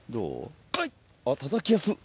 あったたきやすっ。